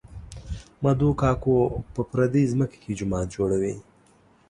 مدو کاکو په پردۍ ځمکه کې جومات جوړوي